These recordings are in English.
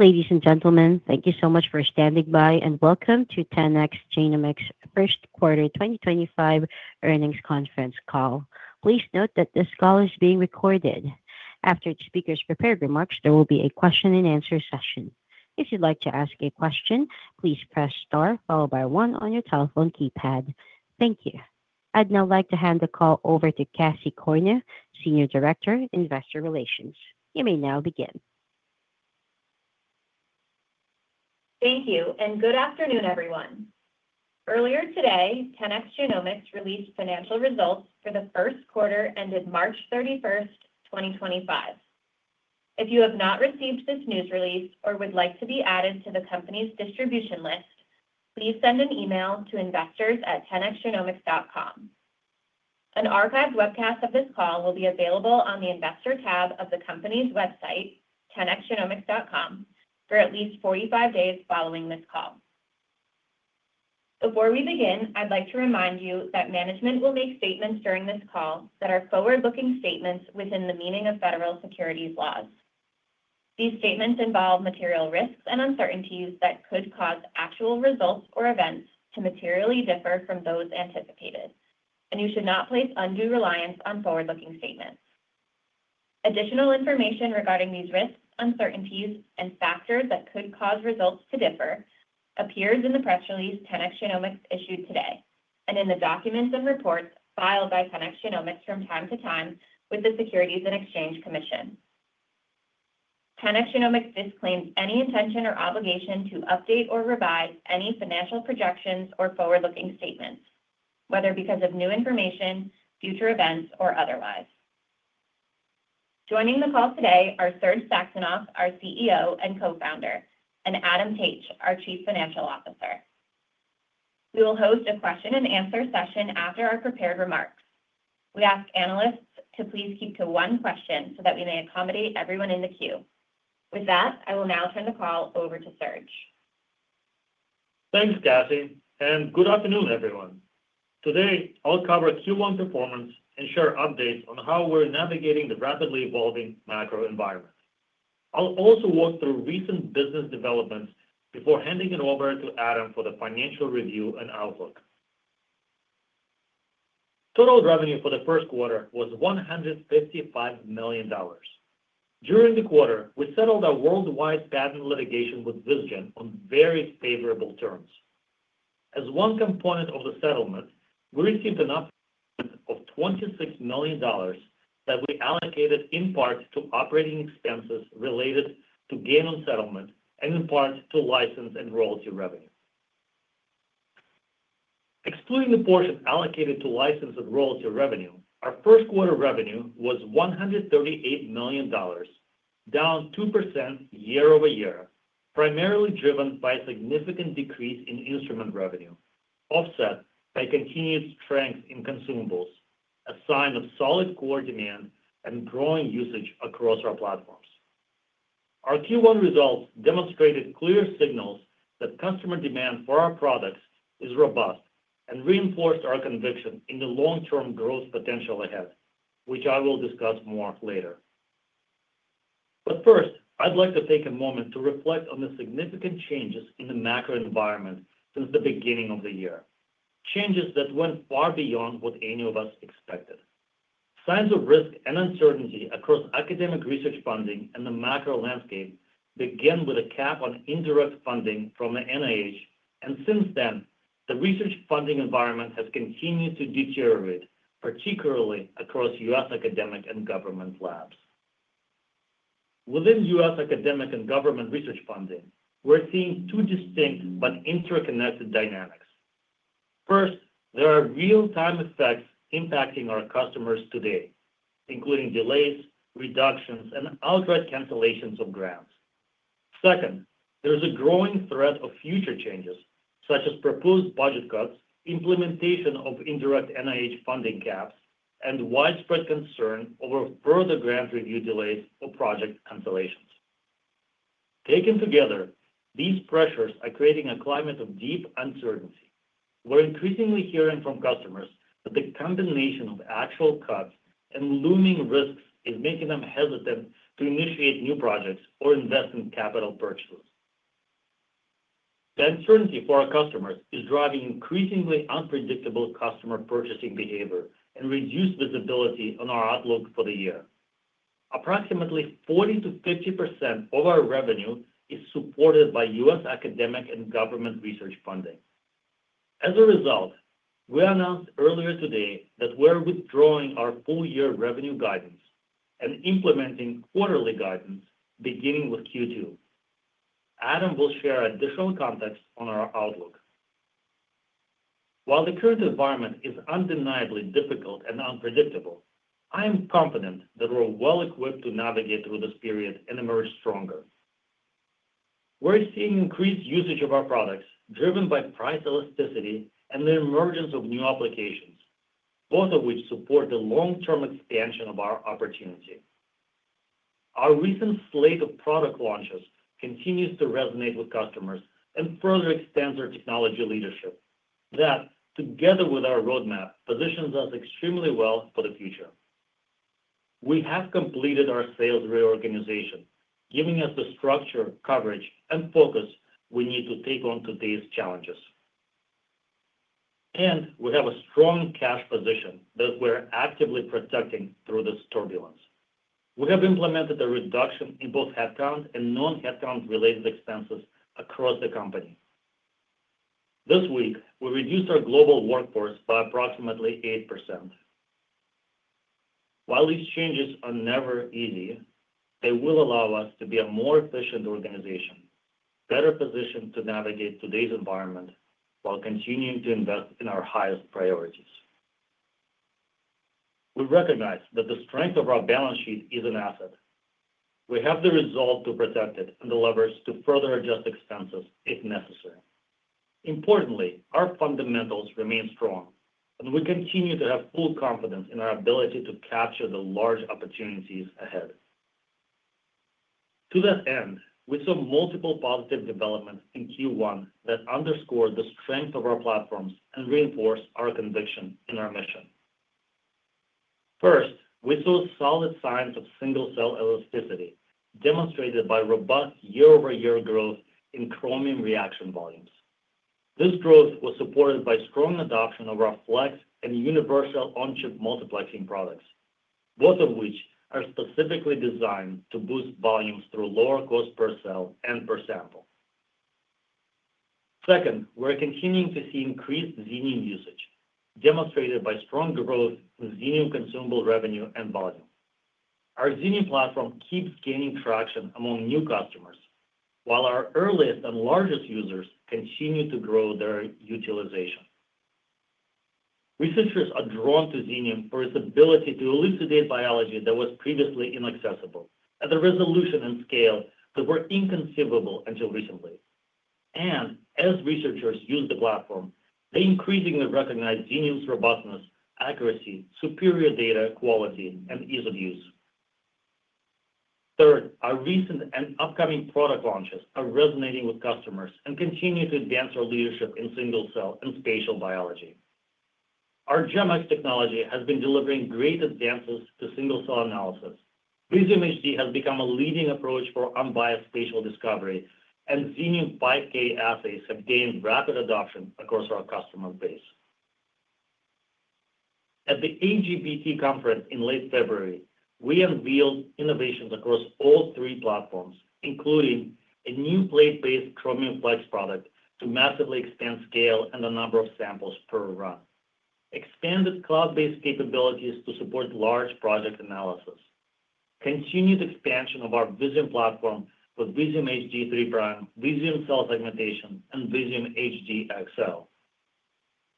Ladies and gentlemen, thank you so much for standing by, and welcome to 10x Genomics' first quarter 2025 earnings conference call. Please note that this call is being recorded. After the speakers prepare remarks, there will be a question-and-answer session. If you'd like to ask a question, please press star followed by one on your telephone keypad. Thank you. I'd now like to hand the call over to Cassie Corneau, Senior Director, Investor Relations. You may now begin. Thank you, and good afternoon, everyone. Earlier today, 10x Genomics released financial results for the first quarter ended March 31st, 2025. If you have not received this news release or would like to be added to the company's distribution list, please send an email to investors@10xgenomics.com. An archived webcast of this call will be available on the investor tab of the company's website, 10xgenomics.com, for at least 45 days following this call. Before we begin, I'd like to remind you that management will make statements during this call that are forward-looking statements within the meaning of federal securities laws. These statements involve material risks and uncertainties that could cause actual results or events to materially differ from those anticipated, and you should not place undue reliance on forward-looking statements. Additional information regarding these risks, uncertainties, and factors that could cause results to differ appears in the press release 10x Genomics issued today and in the documents and reports filed by 10x Genomics from time to time with the Securities and Exchange Commission. 10x Genomics disclaims any intention or obligation to update or revise any financial projections or forward-looking statements, whether because of new information, future events, or otherwise. Joining the call today are Serge Saxonov, our CEO and co-founder, and Adam Taich, our Chief Financial Officer. We will host a question-and-answer session after our prepared remarks. We ask analysts to please keep to one question so that we may accommodate everyone in the queue. With that, I will now turn the call over to Serge. Thanks, Cassie, and good afternoon, everyone. Today, I'll cover Q1 performance and share updates on how we're navigating the rapidly evolving macro environment. I'll also walk through recent business developments before handing it over to Adam for the financial review and outlook. Total revenue for the first quarter was $155 million. During the quarter, we settled our worldwide patent litigation with Vizgen on very favorable terms. As one component of the settlement, we received an upfront of $26 million that we allocated in part to operating expenses related to gain on settlement and in part to license and royalty revenue. Excluding the portion allocated to license and royalty revenue, our first quarter revenue was $138 million, down 2% year over year, primarily driven by a significant decrease in instrument revenue, offset by continued strength in consumables, a sign of solid core demand and growing usage across our platforms. Our Q1 results demonstrated clear signals that customer demand for our products is robust and reinforced our conviction in the long-term growth potential ahead, which I will discuss more later. First, I'd like to take a moment to reflect on the significant changes in the macro environment since the beginning of the year, changes that went far beyond what any of us expected. Signs of risk and uncertainty across academic research funding and the macro landscape began with a cap on indirect funding from the NIH, and since then, the research funding environment has continued to deteriorate, particularly across U.S. academic and government labs. Within U.S. academic and government research funding, we're seeing two distinct but interconnected dynamics. First, there are real-time effects impacting our customers today, including delays, reductions, and outright cancellations of grants. Second, there is a growing threat of future changes, such as proposed budget cuts, implementation of indirect NIH funding caps, and widespread concern over further grant review delays or project cancellations. Taken together, these pressures are creating a climate of deep uncertainty. We're increasingly hearing from customers that the combination of actual cuts and looming risks is making them hesitant to initiate new projects or invest in capital purchases. The uncertainty for our customers is driving increasingly unpredictable customer purchasing behavior and reduced visibility on our outlook for the year. Approximately 40-50% of our revenue is supported by U.S. academic and government research funding. As a result, we announced earlier today that we're withdrawing our full-year revenue guidance and implementing quarterly guidance beginning with Q2. Adam will share additional context on our outlook. While the current environment is undeniably difficult and unpredictable, I am confident that we're well equipped to navigate through this period and emerge stronger. We're seeing increased usage of our products driven by price elasticity and the emergence of new applications, both of which support the long-term expansion of our opportunity. Our recent slate of product launches continues to resonate with customers and further extends our technology leadership. That, together with our roadmap, positions us extremely well for the future. We have completed our sales reorganization, giving us the structure, coverage, and focus we need to take on today's challenges. We have a strong cash position that we're actively protecting through this turbulence. We have implemented a reduction in both headcount and non-headcount related expenses across the company. This week, we reduced our global workforce by approximately 8%. While these changes are never easy, they will allow us to be a more efficient organization, better positioned to navigate today's environment while continuing to invest in our highest priorities. We recognize that the strength of our balance sheet is an asset. We have the resolve to protect it and the levers to further adjust expenses if necessary. Importantly, our fundamentals remain strong, and we continue to have full confidence in our ability to capture the large opportunities ahead. To that end, we saw multiple positive developments in Q1 that underscored the strength of our platforms and reinforced our conviction in our mission. First, we saw solid signs of single-cell elasticity demonstrated by robust year-over-year growth in Chromium reaction volumes. This growth was supported by strong adoption of our Flex and universal on-chip multiplexing products, both of which are specifically designed to boost volumes through lower cost per cell and per sample. Second, we're continuing to see increased Xenium usage, demonstrated by strong growth in Xenium consumable revenue and volume. Our Xenium platform keeps gaining traction among new customers, while our earliest and largest users continue to grow their utilization. Researchers are drawn to Xenium for its ability to elucidate biology that was previously inaccessible at a resolution and scale that were inconceivable until recently. As researchers use the platform, they increasingly recognize Xenium's robustness, accuracy, superior data quality, and ease of use. Third, our recent and upcoming product launches are resonating with customers and continue to advance our leadership in single-cell and spatial biology. Our Gem-X technology has been delivering great advances to single-cell analysis. HD has become a leading approach for unbiased spatial discovery, and Xenium 5K assays have gained rapid adoption across our customer base. At the AGBT Conference in late February, we unveiled innovations across all three platforms, including a new plate-based Chromium Flex product to massively expand scale and the number of samples per run, expanded cloud-based capabilities to support large project analysis, continued expansion of our Visium platform with Visium HD 3 Prime, Visium cell segmentation, and Visium HD XL,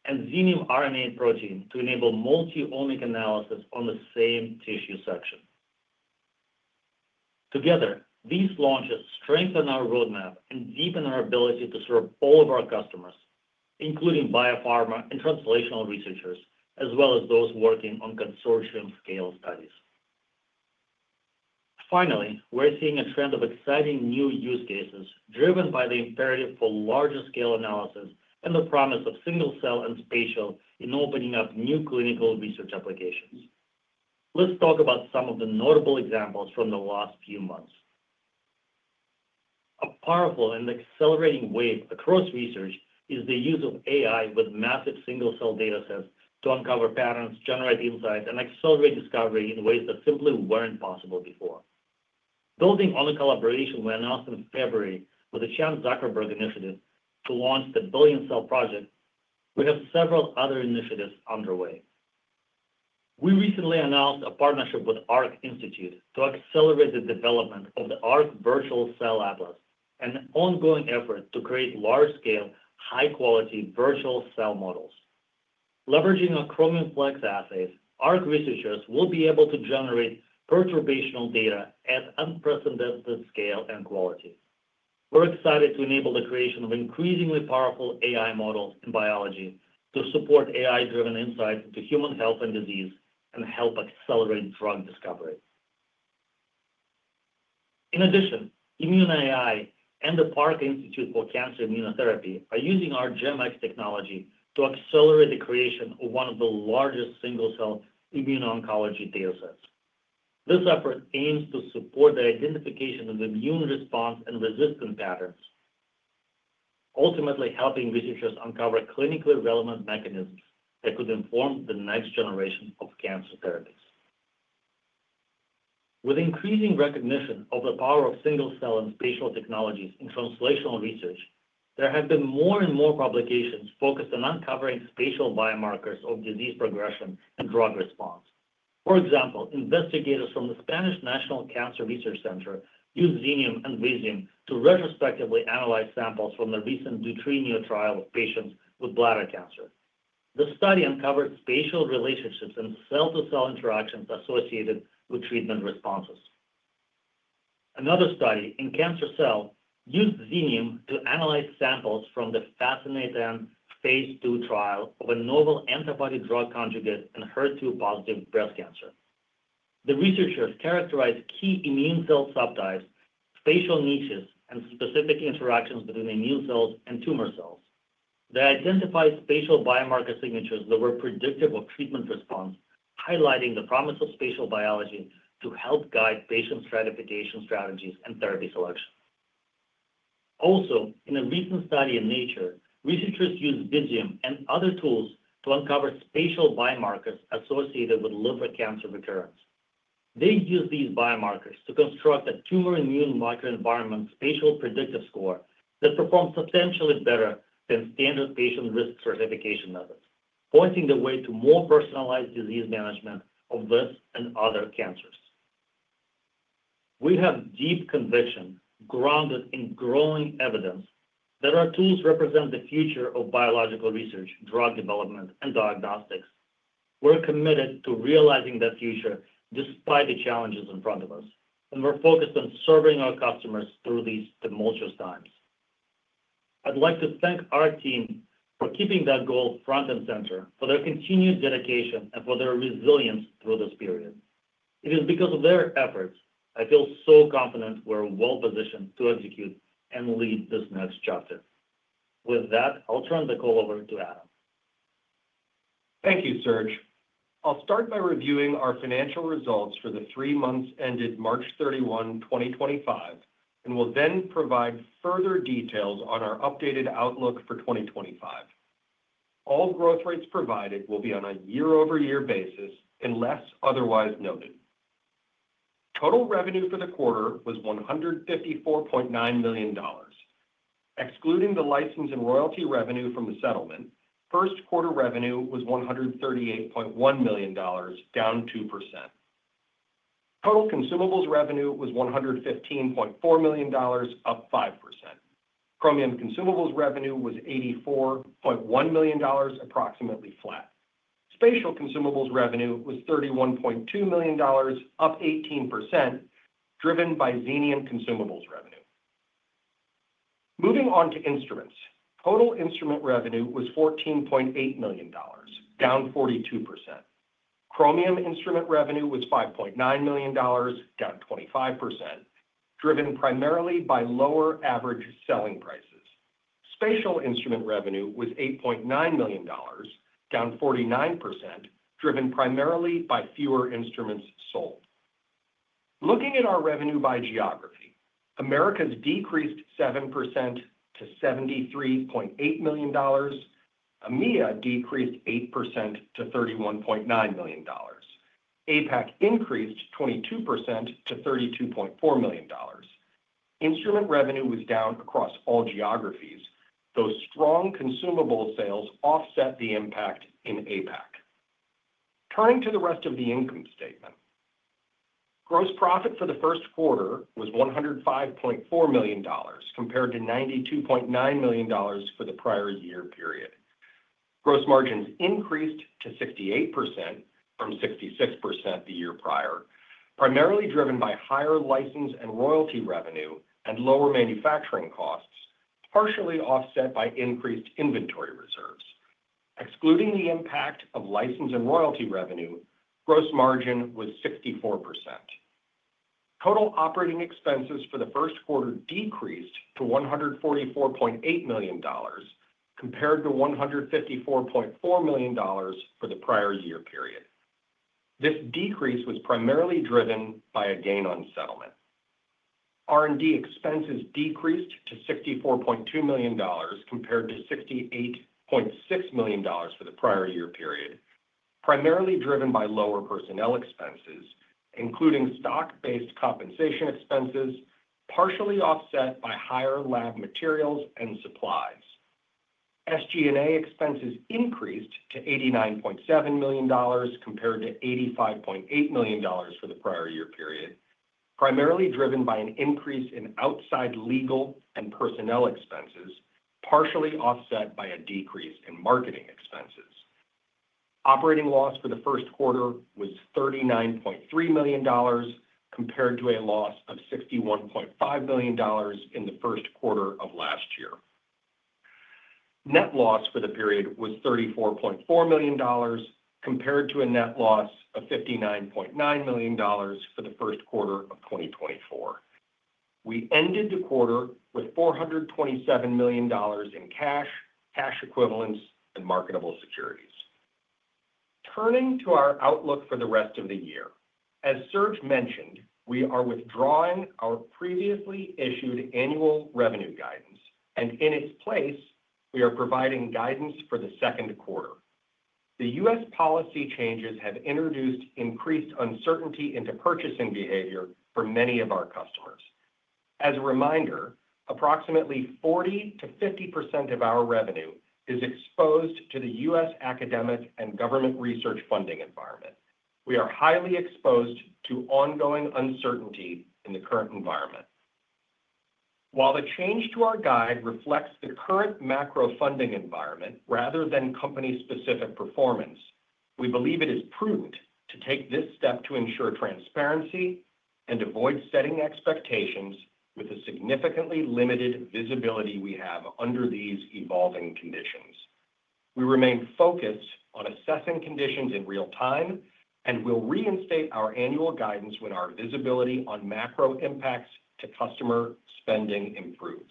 and Xenium RNA Protein to enable multi-omic analysis on the same tissue section. Together, these launches strengthen our roadmap and deepen our ability to serve all of our customers, including biopharma and translational researchers, as well as those working on consortium-scale studies. Finally, we're seeing a trend of exciting new use cases driven by the imperative for larger scale analysis and the promise of single-cell and spatial in opening up new clinical research applications. Let's talk about some of the notable examples from the last few months. A powerful and accelerating wave across research is the use of AI with massive single-cell datasets to uncover patterns, generate insights, and accelerate discovery in ways that simply weren't possible before. Building on a collaboration we announced in February with the Chan Zuckerberg Initiative to launch the Billion Cell Project, we have several other initiatives underway. We recently announced a partnership with ARC Institute to accelerate the development of the ARC Virtual Cell Atlas, an ongoing effort to create large-scale, high-quality virtual cell models. Leveraging Chromium Flex assays, ARC researchers will be able to generate perturbational data at unprecedented scale and quality. We're excited to enable the creation of increasingly powerful AI models in biology to support AI-driven insights into human health and disease and help accelerate drug discovery. In addition, ImmuneAI and the Parker Institute for Cancer Immunotherapy are using our Gem-X technology to accelerate the creation of one of the largest single-cell immuno-oncology datasets. This effort aims to support the identification of immune response and resistance patterns, ultimately helping researchers uncover clinically relevant mechanisms that could inform the next generation of cancer therapies. With increasing recognition of the power of single-cell and spatial technologies in translational research, there have been more and more publications focused on uncovering spatial biomarkers of disease progression and drug response. For example, investigators from the Spanish National Cancer Research Centre used Xenium and Visium to retrospectively analyze samples from the recent Neutrino trial of patients with bladder cancer. The study uncovered spatial relationships and cell-to-cell interactions associated with treatment responses. Another study in cancer cell used Xenium to analyze samples from the Fascinate and phase II trial of a novel antibody drug conjugate in HER2-positive breast cancer. The researchers characterized key immune cell subtypes, spatial niches, and specific interactions between immune cells and tumor cells. They identified spatial biomarker signatures that were predictive of treatment response, highlighting the promise of spatial biology to help guide patient stratification strategies and therapy selection. Also, in a recent study in Nature, researchers used Visium and other tools to uncover spatial biomarkers associated with liver cancer recurrence. They used these biomarkers to construct a tumor immune marker environment spatial predictive score that performs substantially better than standard patient risk stratification methods, pointing the way to more personalized disease management of this and other cancers. We have deep conviction grounded in growing evidence that our tools represent the future of biological research, drug development, and diagnostics. We're committed to realizing that future despite the challenges in front of us, and we're focused on serving our customers through these tumultuous times. I'd like to thank our team for keeping that goal front and center, for their continued dedication, and for their resilience through this period. It is because of their efforts I feel so confident we're well positioned to execute and lead this next chapter. With that, I'll turn the call over to Adam. Thank you, Serge. I'll start by reviewing our financial results for the three months ended March 31, 2025, and will then provide further details on our updated outlook for 2025. All growth rates provided will be on a year-over-year basis unless otherwise noted. Total revenue for the quarter was $134.9 million. Excluding the license and royalty revenue from the settlement, first quarter revenue was $138.1 million, down 2%. Total consumables revenue was $115.4 million, up 5%. Chromium consumables revenue was $84.1 million, approximately flat. Spatial consumables revenue was $31.2 million, up 18%, driven by Xenium consumables revenue. Moving on to instruments, total instrument revenue was $14.8 million, down 42%. Chromium instrument revenue was $5.9 million, down 25%, driven primarily by lower average selling prices. Spatial instrument revenue was $8.9 million, down 49%, driven primarily by fewer instruments sold. Looking at our revenue by geography, Americas decreased 7% to $73.8 million. EMEA decreased 8% to $31.9 million. APAC increased 22% to $32.4 million. Instrument revenue was down across all geographies, though strong consumable sales offset the impact in APAC. Turning to the rest of the income statement, gross profit for the first quarter was $105.4 million compared to $92.9 million for the prior year period. Gross margins increased to 68% from 66% the year prior, primarily driven by higher license and royalty revenue and lower manufacturing costs, partially offset by increased inventory reserves. Excluding the impact of license and royalty revenue, gross margin was 64%. Total operating expenses for the first quarter decreased to $144.8 million compared to $154.4 million for the prior year period. This decrease was primarily driven by a gain on settlement. R&D expenses decreased to $64.2 million compared to $68.6 million for the prior year period, primarily driven by lower personnel expenses, including stock-based compensation expenses, partially offset by higher lab materials and supplies. SG&A expenses increased to $89.7 million compared to $85.8 million for the prior year period, primarily driven by an increase in outside legal and personnel expenses, partially offset by a decrease in marketing expenses. Operating loss for the first quarter was $39.3 million compared to a loss of $61.5 million in the first quarter of last year. Net loss for the period was $34.4 million compared to a net loss of $59.9 million for the first quarter of 2024. We ended the quarter with $427 million in cash, cash equivalents, and marketable securities. Turning to our outlook for the rest of the year, as Serge mentioned, we are withdrawing our previously issued annual revenue guidance, and in its place, we are providing guidance for the second quarter. The U.S. policy changes have introduced increased uncertainty into purchasing behavior for many of our customers. As a reminder, approximately 40%-50% of our revenue is exposed to the U.S. academic and government research funding environment. We are highly exposed to ongoing uncertainty in the current environment. While the change to our guide reflects the current macro funding environment rather than company-specific performance, we believe it is prudent to take this step to ensure transparency and avoid setting expectations with the significantly limited visibility we have under these evolving conditions. We remain focused on assessing conditions in real time and will reinstate our annual guidance when our visibility on macro impacts to customer spending improves.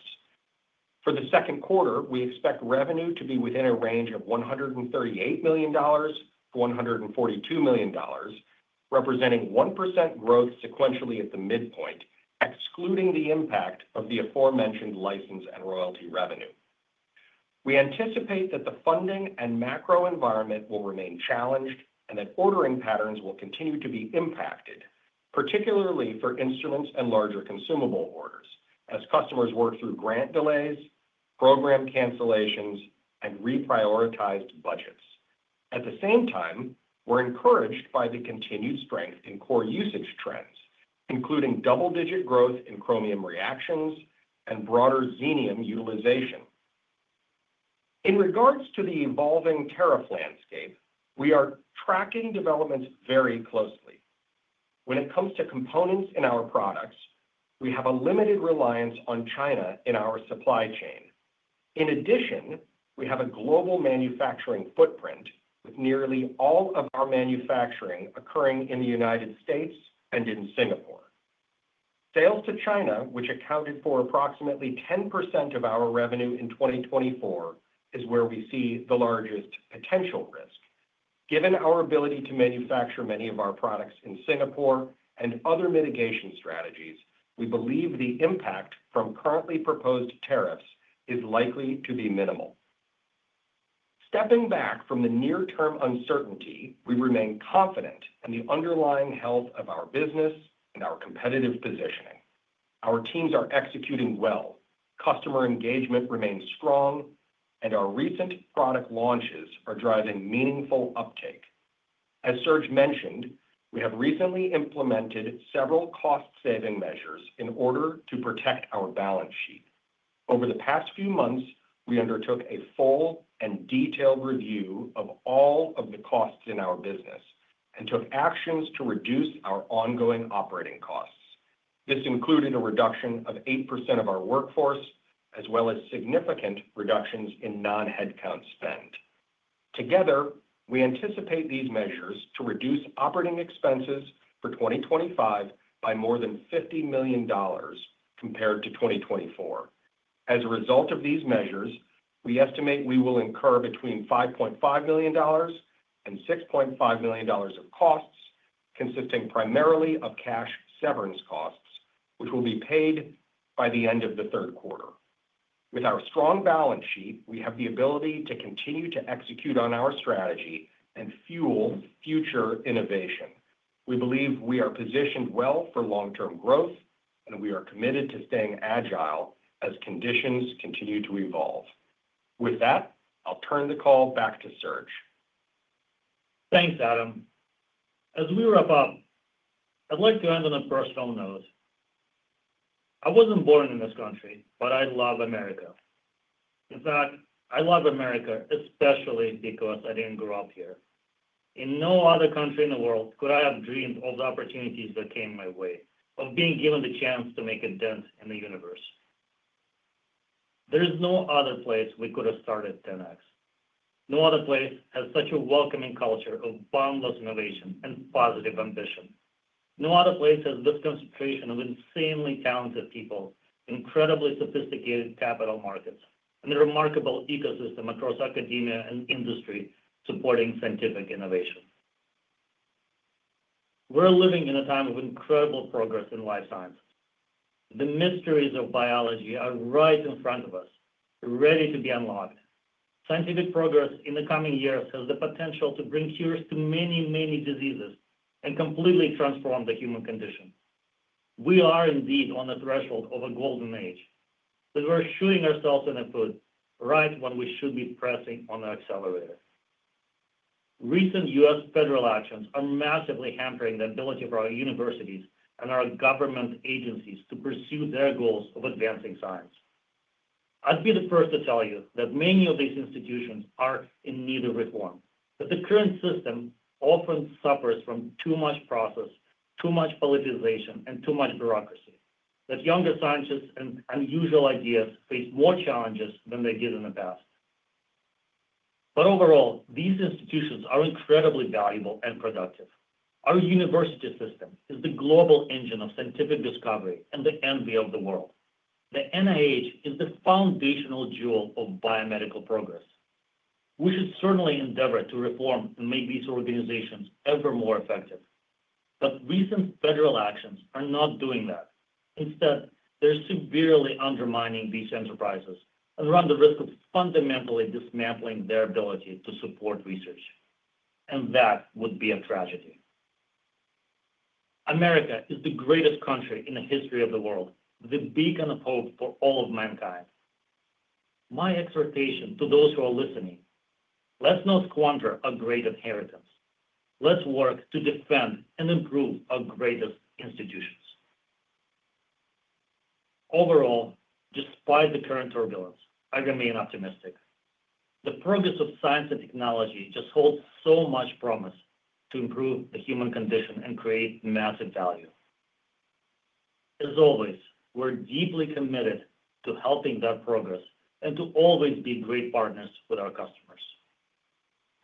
For the second quarter, we expect revenue to be within a range of $138 million-$142 million, representing 1% growth sequentially at the midpoint, excluding the impact of the aforementioned license and royalty revenue. We anticipate that the funding and macro environment will remain challenged and that ordering patterns will continue to be impacted, particularly for instruments and larger consumable orders, as customers work through grant delays, program cancellations, and reprioritized budgets. At the same time, we're encouraged by the continued strength in core usage trends, including double-digit growth in Chromium reactions and broader Xenium utilization. In regards to the evolving tariff landscape, we are tracking developments very closely. When it comes to components in our products, we have a limited reliance on China in our supply chain. In addition, we have a global manufacturing footprint with nearly all of our manufacturing occurring in the United States and in Singapore. Sales to China, which accounted for approximately 10% of our revenue in 2024, is where we see the largest potential risk. Given our ability to manufacture many of our products in Singapore and other mitigation strategies, we believe the impact from currently proposed tariffs is likely to be minimal. Stepping back from the near-term uncertainty, we remain confident in the underlying health of our business and our competitive positioning. Our teams are executing well, customer engagement remains strong, and our recent product launches are driving meaningful uptake. As Serge mentioned, we have recently implemented several cost-saving measures in order to protect our balance sheet. Over the past few months, we undertook a full and detailed review of all of the costs in our business and took actions to reduce our ongoing operating costs. This included a reduction of 8% of our workforce, as well as significant reductions in non-headcount spend. Together, we anticipate these measures to reduce operating expenses for 2025 by more than $15 million compared to 2024. As a result of these measures, we estimate we will incur between $5.5 million and $6.5 million of costs, consisting primarily of cash severance costs, which will be paid by the end of the third quarter. With our strong balance sheet, we have the ability to continue to execute on our strategy and fuel future innovation. We believe we are positioned well for long-term growth, and we are committed to staying agile as conditions continue to evolve. With that, I'll turn the call back to Serge. Thanks, Adam. As we wrap up, I'd like to add on a personal note. I wasn't born in this country, but I love America. In fact, I love America especially because I didn't grow up here. In no other country in the world could I have dreamed of the opportunities that came my way, of being given the chance to make a dent in the universe. There is no other place we could have started 10x. No other place has such a welcoming culture of boundless innovation and positive ambition. No other place has this concentration of insanely talented people, incredibly sophisticated capital markets, and a remarkable ecosystem across academia and industry supporting scientific innovation. We're living in a time of incredible progress in life science. The mysteries of biology are right in front of us, ready to be unlocked. Scientific progress in the coming years has the potential to bring cures to many, many diseases and completely transform the human condition. We are indeed on the threshold of a golden age, but we're shooting ourselves in the foot right when we should be pressing on the accelerator. Recent U.S. federal actions are massively hampering the ability for our universities and our government agencies to pursue their goals of advancing science. I'd be the first to tell you that many of these institutions are in need of reform, that the current system often suffers from too much process, too much politicization, and too much bureaucracy, that younger scientists and unusual ideas face more challenges than they did in the past. Overall, these institutions are incredibly valuable and productive. Our university system is the global engine of scientific discovery and the envy of the world. The NIH is the foundational jewel of biomedical progress. We should certainly endeavor to reform and make these organizations ever more effective. Recent federal actions are not doing that. Instead, they're severely undermining these enterprises and run the risk of fundamentally dismantling their ability to support research. That would be a tragedy. America is the greatest country in the history of the world, the beacon of hope for all of mankind. My exhortation to those who are listening: let's not squander a great inheritance. Let's work to defend and improve our greatest institutions. Overall, despite the current turbulence, I remain optimistic. The progress of science and technology just holds so much promise to improve the human condition and create massive value. As always, we're deeply committed to helping that progress and to always be great partners with our customers.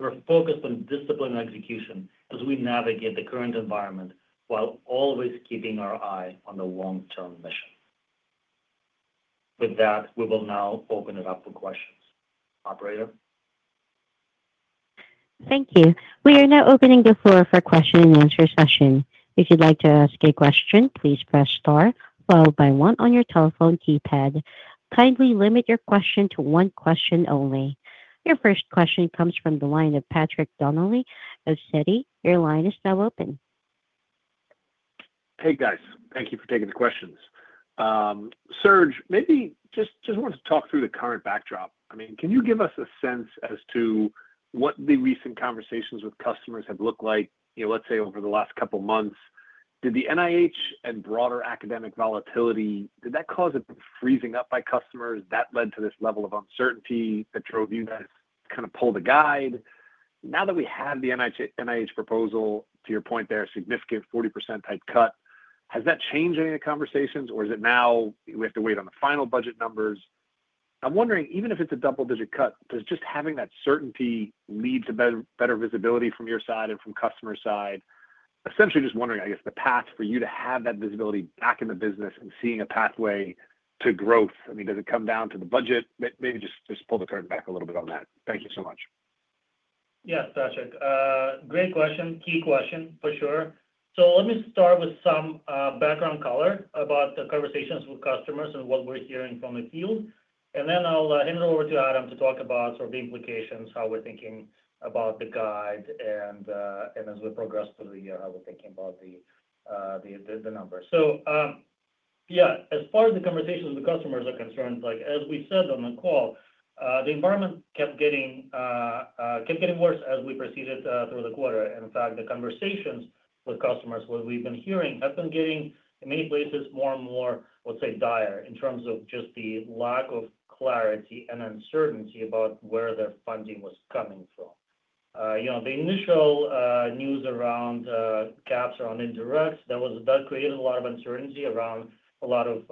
We're focused on discipline and execution as we navigate the current environment while always keeping our eye on the long-term mission. With that, we will now open it up for questions. Operator? Thank you. We are now opening the floor for question and answer session. If you'd like to ask a question, please press star followed by one on your telephone keypad. Kindly limit your question to one question only. Your first question comes from the line of Patrick Donnelly of Citi. Your line is now open. Hey, guys. Thank you for taking the questions. Serge, maybe just wanted to talk through the current backdrop. I mean, can you give us a sense as to what the recent conversations with customers have looked like? Let's say over the last couple of months, did the NIH and broader academic volatility—did that cause it to freeze up by customers? That led to this level of uncertainty that drove you guys to kind of pull the guide? Now that we have the NIH proposal, to your point, their significant 40%-type cut, has that changed any of the conversations, or is it now we have to wait on the final budget numbers? I'm wondering, even if it's a double-digit cut, does just having that certainty lead to better visibility from your side and from customer side? Essentially, just wondering, I guess, the path for you to have that visibility back in the business and seeing a pathway to growth. I mean, does it come down to the budget? Maybe just pull the curtain back a little bit on that. Thank you so much. Yeah. Great question. Key question, for sure. Let me start with some background color about the conversations with customers and what we're hearing from the field. I'll hand it over to Adam to talk about sort of the implications, how we're thinking about the guide, and as we progress through the year, how we're thinking about the numbers. As far as the conversations with customers are concerned, as we said on the call, the environment kept getting worse as we proceeded through the quarter. In fact, the conversations with customers, what we've been hearing, have been getting in many places more and more, let's say, dire in terms of just the lack of clarity and uncertainty about where their funding was coming from. The initial news around caps around indirects, that created a lot of uncertainty around a lot of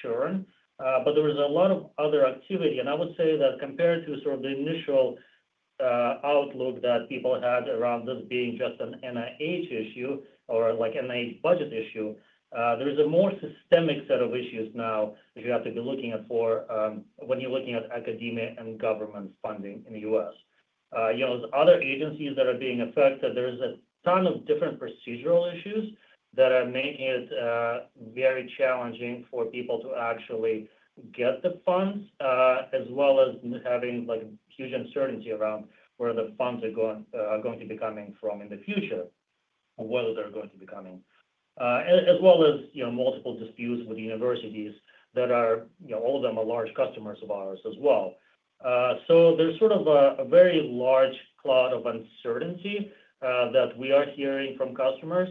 churn. There was a lot of other activity. I would say that compared to sort of the initial outlook that people had around this being just an NIH issue or an NIH budget issue, there is a more systemic set of issues now that you have to be looking at for when you're looking at academia and government funding in the U.S. There are other agencies that are being affected. There are a ton of different procedural issues that are making it very challenging for people to actually get the funds, as well as having huge uncertainty around where the funds are going to be coming from in the future, whether they're going to be coming, as well as multiple disputes with the universities that are all of them large customers of ours as well. There is sort of a very large cloud of uncertainty that we are hearing from customers.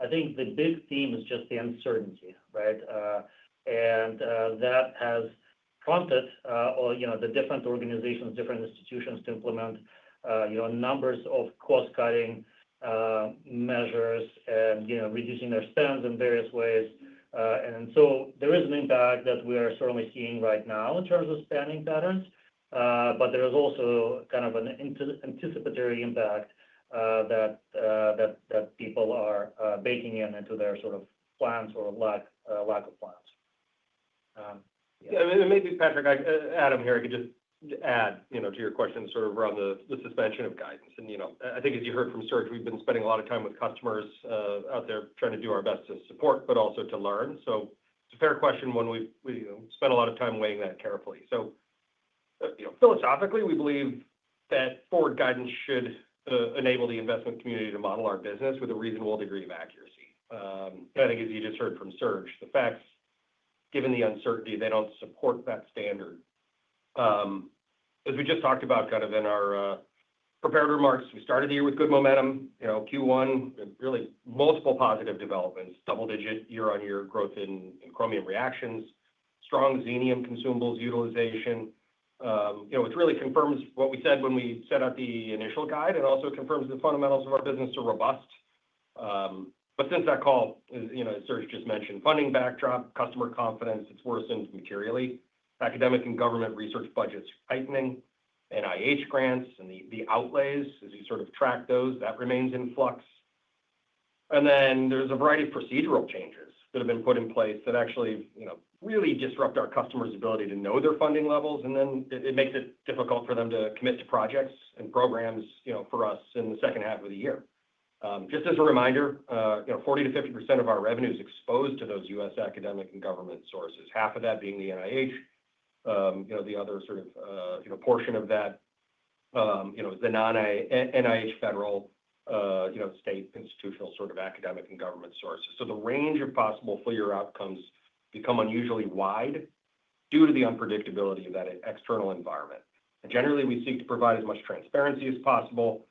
I think the big theme is just the uncertainty, right? That has prompted the different organizations, different institutions to implement numbers of cost-cutting measures and reducing their spends in various ways. There is an impact that we are certainly seeing right now in terms of spending patterns. There is also kind of an anticipatory impact that people are baking into their sort of plans or lack of plans. Yeah. Maybe, Patrick, Adam here, I could just add to your question sort of around the suspension of guidance. I think, as you heard from Serge, we have been spending a lot of time with customers out there trying to do our best to support, but also to learn. It is a fair question when we spend a lot of time weighing that carefully. Philosophically, we believe that forward guidance should enable the investment community to model our business with a reasonable degree of accuracy. I think, as you just heard from Serge, the facts, given the uncertainty, they do not support that standard. As we just talked about in our preparatory remarks, we started the year with good momentum. Q1, really multiple positive developments, double-digit year-on-year growth in Chromium reactions, strong Xenium consumables utilization. It really confirms what we said when we set out the initial guide and also confirms the fundamentals of our business are robust. Since that call, as Serge just mentioned, funding backdrop, customer confidence, it has worsened materially. Academic and government research budgets are tightening, NIH grants and the outlays, as we sort of track those, that remains in flux. There is a variety of procedural changes that have been put in place that actually really disrupt our customers' ability to know their funding levels. It makes it difficult for them to commit to projects and programs for us in the second half of the year. Just as a reminder, 40%-50% of our revenue is exposed to those U.S. academic and government sources, half of that being the NIH. The other sort of portion of that is the NIH federal, state institutional sort of academic and government sources. The range of possible outcomes becomes unusually wide due to the unpredictability of that external environment. Generally, we seek to provide as much transparency as possible.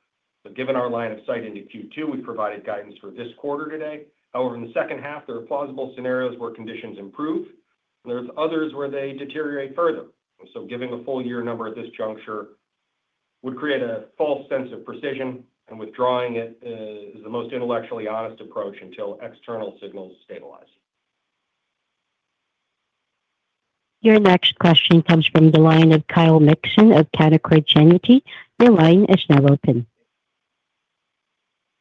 Given our line of sight into Q2, we've provided guidance for this quarter today. However, in the second half, there are plausible scenarios where conditions improve, and there are others where they deteriorate further. Giving a full year number at this juncture would create a false sense of precision, and withdrawing it is the most intellectually honest approach until external signals stabilize. Your next question comes from the line of Kyle Mixon of Canaccord Genuity. Your line is now open.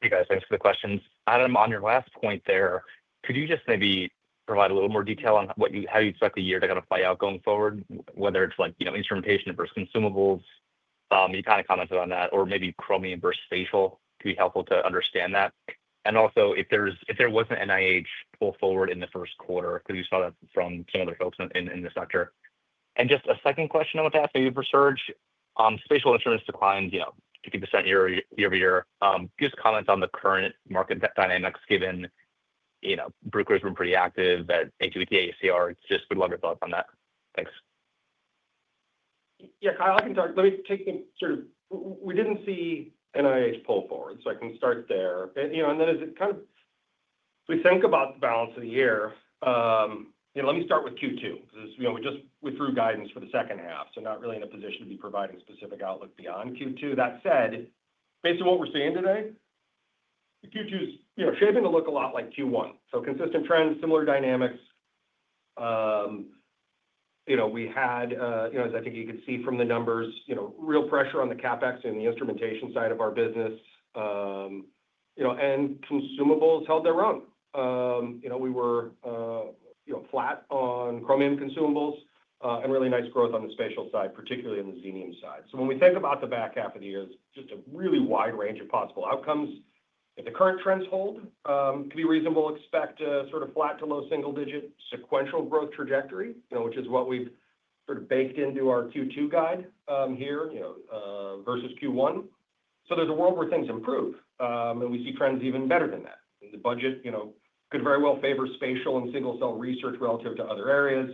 Hey, guys. Thanks for the questions. Adam, on your last point there, could you just maybe provide a little more detail on how you expect the year to kind of play out going forward, whether it's instrumentation versus consumables? You kind of commented on that, or maybe Chromium versus spatial could be helpful to understand that. Also, if there was an NIH pull forward in the first quarter, because you saw that from some other folks in this sector. Just a second question I want to ask maybe for Serge. Spatial instruments declined 50% year over year. Just comments on the current market dynamics given Bruker has been pretty active at AWT, ACR. Just would love your thoughts on that. Thanks. Yeah, Kyle, I can talk. Let me take the sort of we did not see NIH pull forward, so I can start there. As we think about the balance of the year, let me start with Q2 because we threw guidance for the second half, so not really in a position to be providing specific outlook beyond Q2. That said, based on what we are seeing today, Q2 is shaping to look a lot like Q1. Consistent trends, similar dynamics. We had, as I think you could see from the numbers, real pressure on the CapEx and the instrumentation side of our business. Consumables held their own. We were flat on Chromium consumables and really nice growth on the spatial side, particularly on the Xenium side. When we think about the back half of the year, it's just a really wide range of possible outcomes. If the current trends hold, it could be reasonable to expect a sort of flat to low single-digit sequential growth trajectory, which is what we've sort of baked into our Q2 guide here versus Q1. There's a world where things improve, and we see trends even better than that. The budget could very well favor spatial and single-cell research relative to other areas.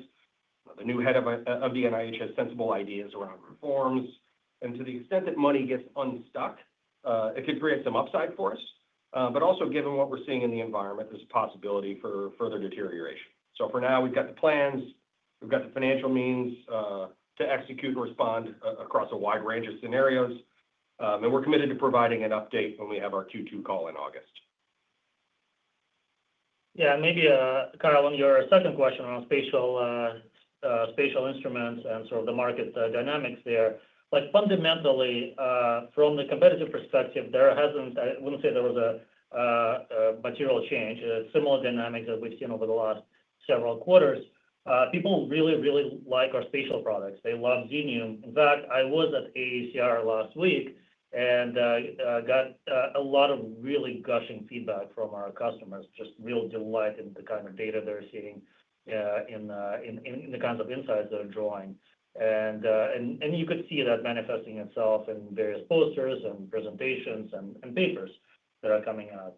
The new head of the NIH has sensible ideas around reforms. To the extent that money gets unstuck, it could create some upside for us. Also, given what we're seeing in the environment, there's a possibility for further deterioration. For now, we've got the plans. We've got the financial means to execute and respond across a wide range of scenarios. We're committed to providing an update when we have our Q2 call in August. Yeah, and maybe, Kyle, on your second question around spatial instruments and sort of the market dynamics there. Fundamentally, from the competitive perspective, there hasn't—I wouldn't say there was a material change. Similar dynamics that we've seen over the last several quarters. People really, really like our spatial products. They love Xenium. In fact, I was at ACR last week and got a lot of really gushing feedback from our customers, just real delight in the kind of data they're seeing and the kinds of insights they're drawing. You could see that manifesting itself in various posters and presentations and papers that are coming out.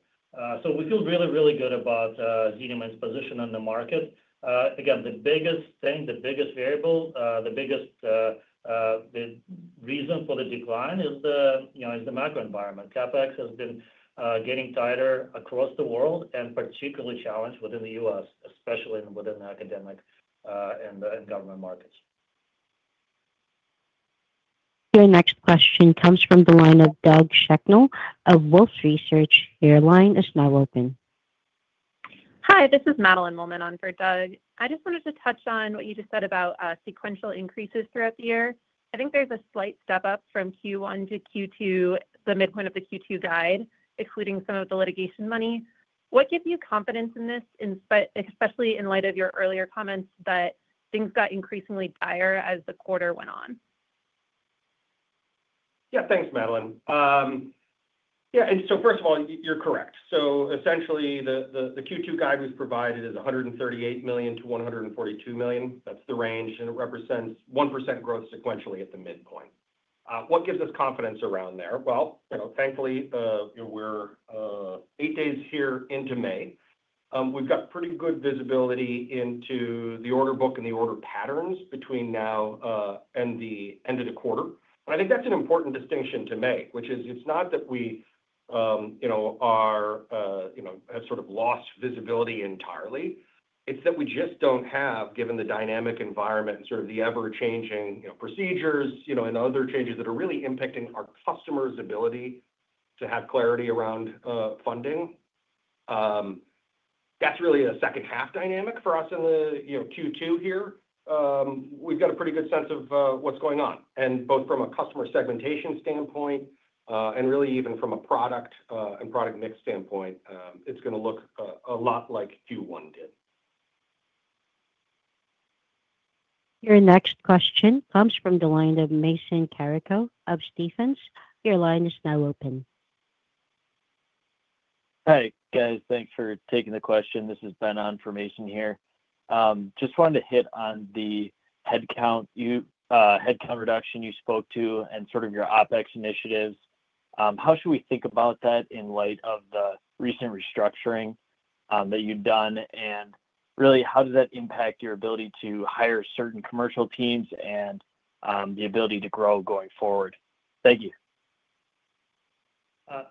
We feel really, really good about Xenium's position in the market. Again, the biggest thing, the biggest variable, the biggest reason for the decline is the macro environment. CapEx has been getting tighter across the world and particularly challenged within the U.S., especially within the academic and government markets. Your next question comes from the line of Doug Schecknell of Wolfe Research. Your line is now open. Hi, this is Madeline Mullman on for Doug. I just wanted to touch on what you just said about sequential increases throughout the year. I think there is a slight step up from Q1 to Q2, the midpoint of the Q2 guide, excluding some of the litigation money. What gives you confidence in this, especially in light of your earlier comments that things got increasingly dire as the quarter went on? Yeah, thanks, Madeline. Yeah. And first of all, you're correct. Essentially, the Q2 guide we've provided is $138 million-$142 million. That's the range. It represents 1% growth sequentially at the midpoint. What gives us confidence around there? Thankfully, we're eight days here into May. We've got pretty good visibility into the order book and the order patterns between now and the end of the quarter. I think that's an important distinction to make, which is it's not that we have sort of lost visibility entirely. It's that we just don't have, given the dynamic environment and sort of the ever-changing procedures and other changes that are really impacting our customers' ability to have clarity around funding. That's really a second-half dynamic for us in the Q2 here. We've got a pretty good sense of what's going on. Both from a customer segmentation standpoint and really even from a product and product mix standpoint, it's going to look a lot like Q1 did. Your next question comes from the line of Mason Carico of Stephens. Your line is now open. Hey, guys. Thanks for taking the question. This is Ben on information here. Just wanted to hit on the headcount reduction you spoke to and sort of your OpEx initiatives. How should we think about that in light of the recent restructuring that you've done? And really, how does that impact your ability to hire certain commercial teams and the ability to grow going forward? Thank you.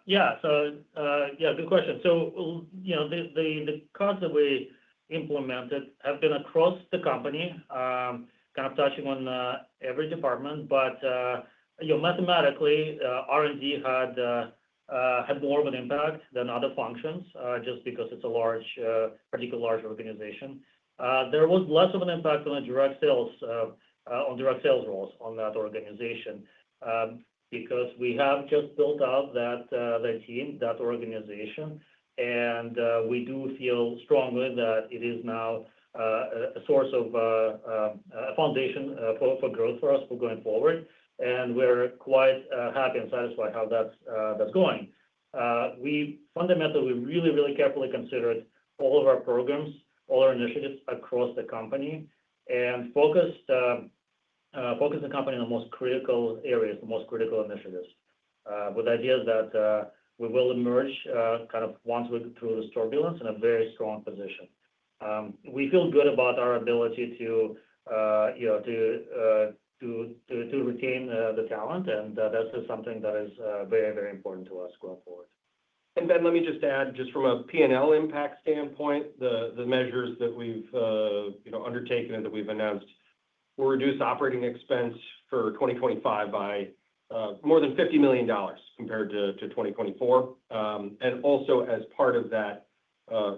Yeah. Good question. The cuts that we implemented have been across the company, kind of touching on every department. Mathematically, R&D had more of an impact than other functions just because it's a particularly large organization. There was less of an impact on the direct sales roles on that organization because we have just built out that team, that organization. We do feel strongly that it is now a source of foundation for growth for us going forward. We are quite happy and satisfied how that's going. Fundamentally, we really, really carefully considered all of our programs, all our initiatives across the company, and focused the company on the most critical areas, the most critical initiatives, with ideas that we will emerge kind of once we go through the storage balance in a very strong position. We feel good about our ability to retain the talent. That is something that is very, very important to us going forward. Let me just add, just from a P&L impact standpoint, the measures that we've undertaken and that we've announced will reduce operating expense for 2025 by more than $50 million compared to 2024. Also, as part of that,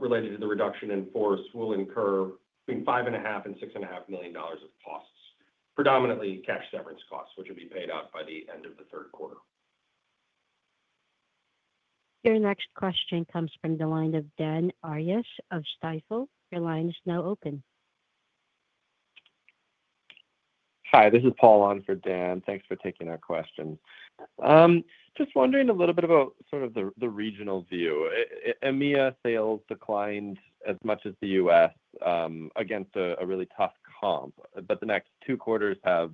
related to the reduction in force, we'll incur between $5.5 million-$6.5 million of costs, predominantly cash severance costs, which will be paid out by the end of the third quarter. Your next question comes from the line of Dan Arias of Stifel. Your line is now open. Hi, this is Paul on for Dan. Thanks for taking our questions. Just wondering a little bit about sort of the regional view. EMEA sales declined as much as the U.S. against a really tough comp. The next two quarters have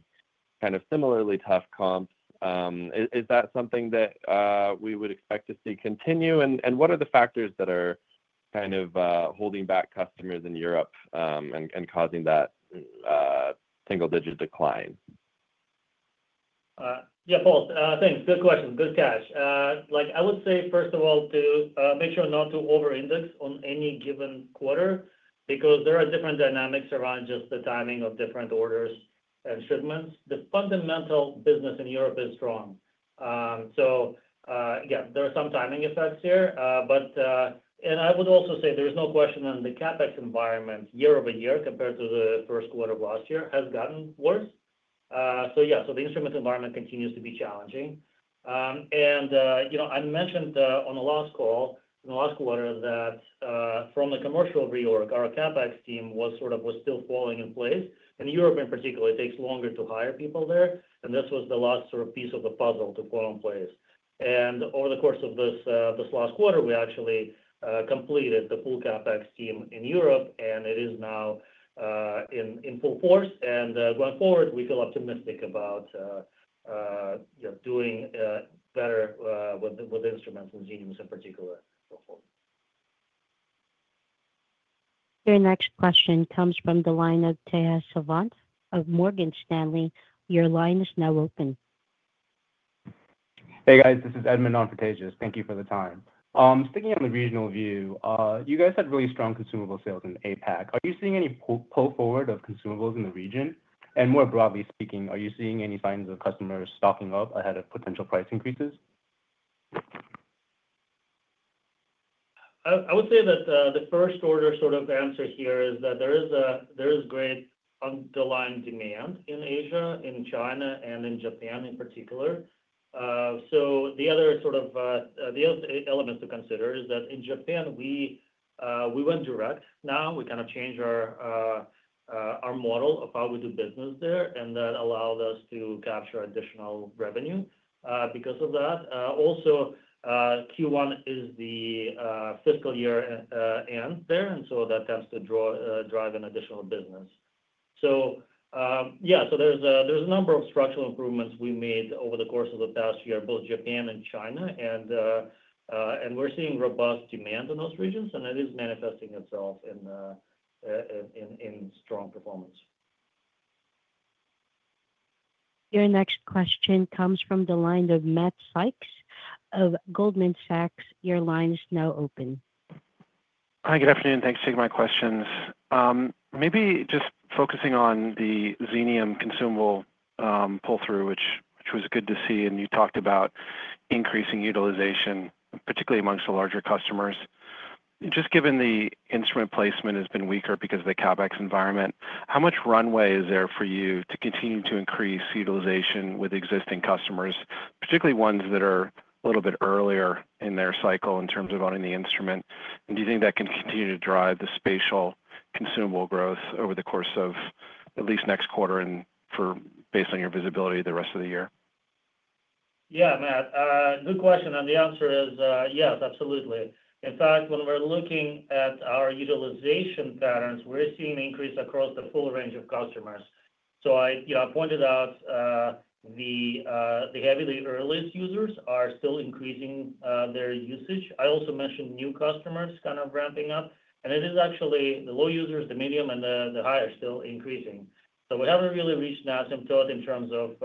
kind of similarly tough comps. Is that something that we would expect to see continue? What are the factors that are kind of holding back customers in Europe and causing that single-digit decline? Yeah, Paul. Thanks. Good question. Good catch. I would say, first of all, to make sure not to over-index on any given quarter because there are different dynamics around just the timing of different orders and shipments. The fundamental business in Europe is strong. There are some timing effects here. I would also say there is no question on the CapEx environment year over year compared to the first quarter of last year has gotten worse. The instrument environment continues to be challenging. I mentioned on the last call, in the last quarter, that from the commercial reorg, our CapEx team was sort of still falling in place. Europe, in particular, takes longer to hire people there. This was the last sort of piece of the puzzle to fall in place. Over the course of this last quarter, we actually completed the full CapEx team in Europe. It is now in full force. Going forward, we feel optimistic about doing better with instruments and xeniums in particular. Your next question comes from the line of Tejas Savant of Morgan Stanley. Your line is now open. Hey, guys. This is Edmund on for Tejas. Thank you for the time. Speaking on the regional view, you guys had really strong consumable sales in APAC. Are you seeing any pull forward of consumables in the region? More broadly speaking, are you seeing any signs of customers stocking up ahead of potential price increases? I would say that the first order sort of answer here is that there is great underlying demand in Asia, in China, and in Japan in particular. The other sort of elements to consider is that in Japan, we went direct. Now we kind of changed our model of how we do business there. That allowed us to capture additional revenue because of that. Also, Q1 is the fiscal year end there. That tends to drive additional business. There are a number of structural improvements we made over the course of the past year, both in Japan and China. We are seeing robust demand in those regions. It is manifesting itself in strong performance. Your next question comes from the line of Matt Sykes of Goldman Sachs. Your line is now open. Hi, good afternoon. Thanks for taking my questions. Maybe just focusing on the Xenium consumable pull-through, which was good to see. You talked about increasing utilization, particularly amongst the larger customers. Just given the instrument placement has been weaker because of the CapEx environment, how much runway is there for you to continue to increase utilization with existing customers, particularly ones that are a little bit earlier in their cycle in terms of owning the instrument? Do you think that can continue to drive the spatial consumable growth over the course of at least next quarter and based on your visibility the rest of the year? Yeah, man. Good question. The answer is yes, absolutely. In fact, when we're looking at our utilization patterns, we're seeing an increase across the full range of customers. I pointed out the heavily earliest users are still increasing their usage. I also mentioned new customers kind of ramping up. It is actually the low users, the medium, and the high are still increasing. We have not really reached that symptom in terms of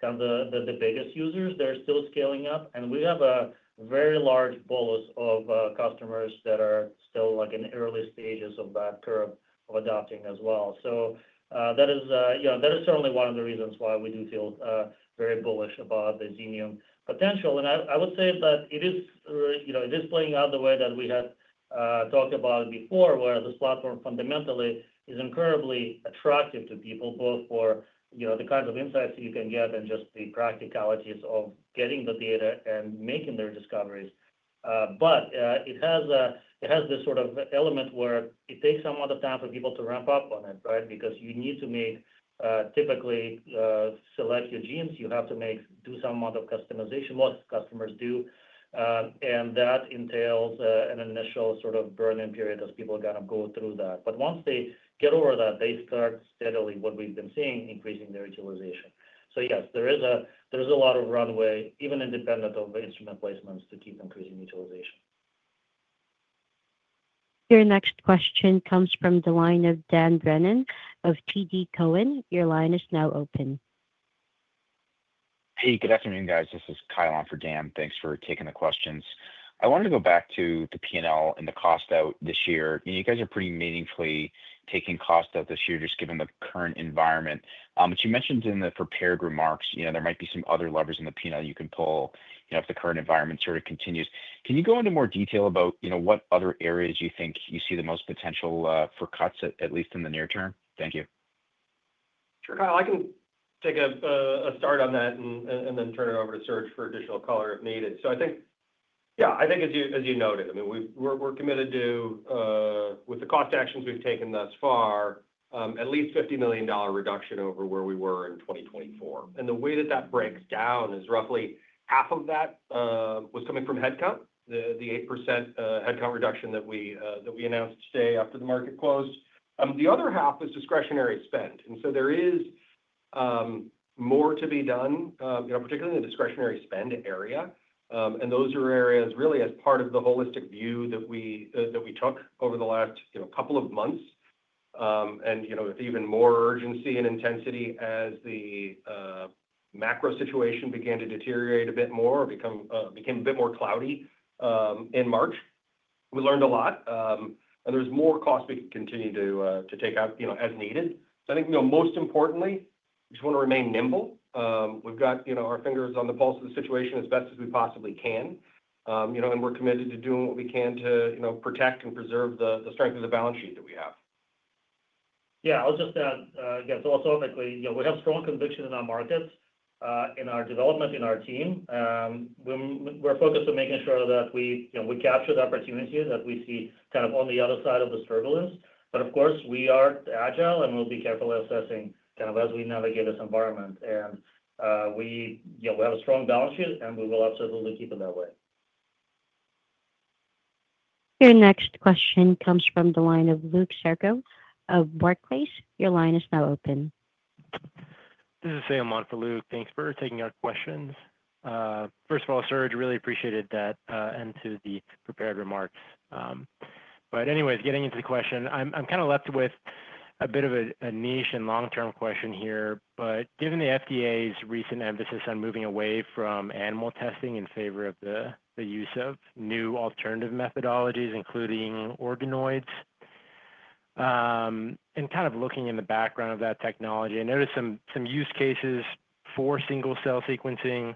kind of the biggest users. They are still scaling up. We have a very large bolus of customers that are still in the early stages of that curve of adopting as well. That is certainly one of the reasons why we do feel very bullish about the Xenium potential. I would say that it is playing out the way that we had talked about it before, where this platform fundamentally is incredibly attractive to people, both for the kinds of insights you can get and just the practicalities of getting the data and making their discoveries. It has this sort of element where it takes some other time for people to ramp up on it, right? Because you need to typically select your genes. You have to do some amount of customization, what customers do. That entails an initial sort of burning period as people kind of go through that. Once they get over that, they start steadily, what we have been seeing, increasing their utilization. Yes, there is a lot of runway, even independent of the instrument placements, to keep increasing utilization. Your next question comes from the line of Dan Brennan of TD Cowen. Your line is now open. Hey, good afternoon, guys. This is Kyle on for Dan. Thanks for taking the questions. I wanted to go back to the P&L and the cost out this year. You guys are pretty meaningfully taking cost out this year just given the current environment. You mentioned in the prepared remarks, there might be some other levers in the P&L you can pull if the current environment sort of continues. Can you go into more detail about what other areas you think you see the most potential for cuts, at least in the near term? Thank you. Sure. I can take a start on that and then turn it over to Serge for additional color if needed. Yeah, I think as you noted, I mean, we're committed to, with the cost actions we've taken thus far, at least $50 million reduction over where we were in 2024. The way that that breaks down is roughly half of that was coming from headcount, the 8% headcount reduction that we announced today after the market closed. The other half is discretionary spend. There is more to be done, particularly in the discretionary spend area. Those are areas really as part of the holistic view that we took over the last couple of months. With even more urgency and intensity as the macro situation began to deteriorate a bit more or became a bit more cloudy in March, we learned a lot. There is more cost we can continue to take out as needed. I think most importantly, we just want to remain nimble. We have got our fingers on the pulse of the situation as best as we possibly can. We are committed to doing what we can to protect and preserve the strength of the balance sheet that we have. Yeah. I will just add, yeah, philosophically, we have strong conviction in our markets, in our development, in our team. We're focused on making sure that we capture the opportunities that we see kind of on the other side of the struggle list. Of course, we are agile and we'll be carefully assessing kind of as we navigate this environment. We have a strong balance sheet and we will absolutely keep it that way. Your next question comes from the line of Luke Sarko of Barclays. Your line is now open. This is Sam on for Luke. Thanks for taking our questions. First of all, Serge, really appreciated that and to the prepared remarks. Anyways, getting into the question, I'm kind of left with a bit of a niche and long-term question here. Given the FDA's recent emphasis on moving away from animal testing in favor of the use of new alternative methodologies, including organoids, and kind of looking in the background of that technology, I noticed some use cases for single-cell sequencing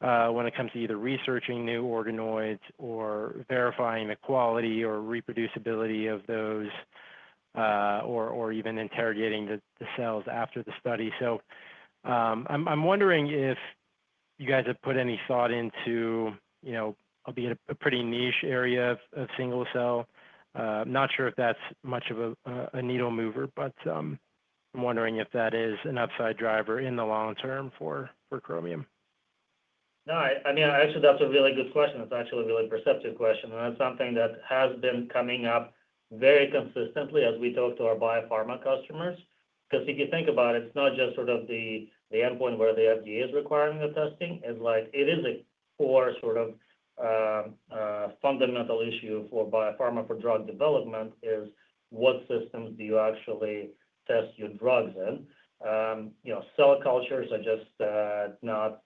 when it comes to either researching new organoids or verifying the quality or reproducibility of those or even interrogating the cells after the study. I'm wondering if you guys have put any thought into, albeit a pretty niche area of single-cell. I'm not sure if that's much of a needle mover, but I'm wondering if that is an upside driver in the long term for Chromium. No, I mean, actually, that's a really good question. It's actually a really perceptive question. That's something that has been coming up very consistently as we talk to our biopharma customers. Because if you think about it, it's not just sort of the endpoint where the FDA is requiring the testing. It is a core sort of fundamental issue for biopharma for drug development is what systems do you actually test your drugs in. Cell cultures are just not,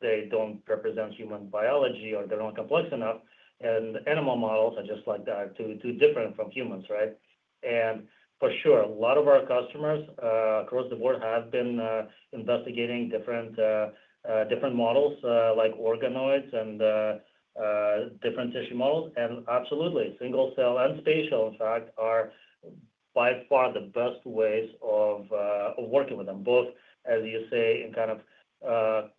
they don't represent human biology or they're not complex enough. Animal models are just like that, too different from humans, right? For sure, a lot of our customers across the board have been investigating different models like organoids and different tissue models. Absolutely, single-cell and spatial, in fact, are by far the best ways of working with them, both, as you say, in kind of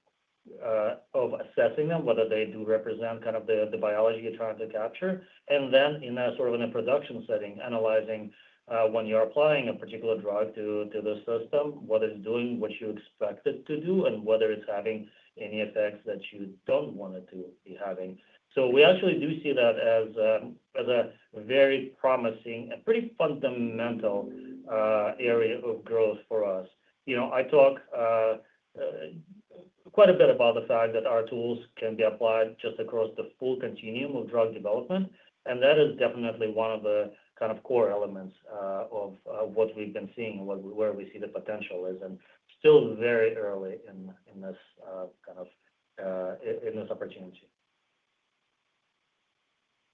assessing them, whether they do represent kind of the biology you're trying to capture. In a sort of production setting, analyzing when you're applying a particular drug to the system, what it's doing, what you expect it to do, and whether it's having any effects that you don't want it to be having. We actually do see that as a very promising, a pretty fundamental area of growth for us. I talk quite a bit about the fact that our tools can be applied just across the full continuum of drug development. That is definitely one of the kind of core elements of what we've been seeing and where we see the potential is and still very early in this kind of opportunity.